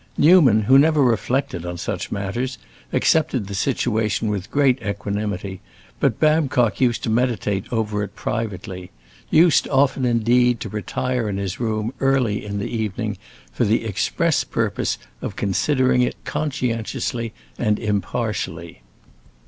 Newman, who never reflected on such matters, accepted the situation with great equanimity, but Babcock used to meditate over it privately; used often, indeed, to retire to his room early in the evening for the express purpose of considering it conscientiously and impartially.